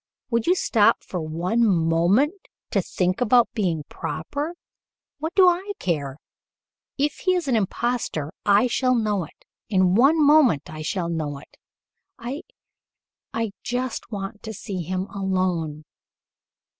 Would you stop for one moment to think about being proper? What do I care! If he is an impostor, I shall know it. In one moment I shall know it. I I just want to see him alone.